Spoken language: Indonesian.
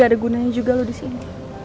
gak ada gunanya juga lo disini